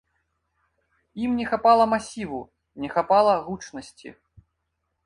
Ім не хапала масіву, не хапала гучнасці.